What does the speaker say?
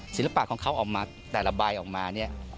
ศิลปะของเขาออกมาแต่ละใบออกมาเนี่ย